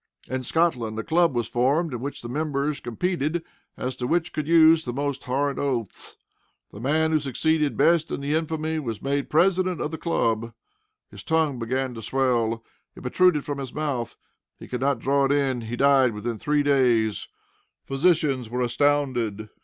In Scotland a club was formed, in which the members competed as to which could use the most horrid oaths. The man who succeeded best in the infamy was made president of the club. His tongue began to swell. It protruded from his mouth. He could not draw it in. He died within three days. Physicians were astounded.